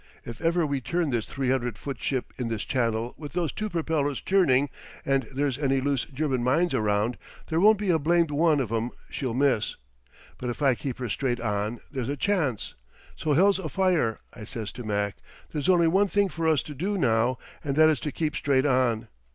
If ever we turn this 300 foot ship in this channel with those two propellers churning and there's any loose German mines around, there won't be a blamed one of 'em she'll miss. But if I keep her straight on, there's a chance. So hell's afire!" I says to Mac "there's only one thing for us to do now and that is to keep straight on!"